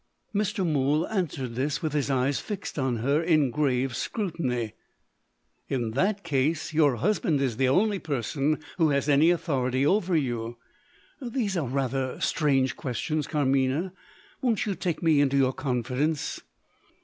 Mr. Mool answered this, with his eyes fixed on her in grave scrutiny. "In that case, your husband is the only person who has any authority over you. These are rather strange questions, Carmina. Won't you take me into your confidence?"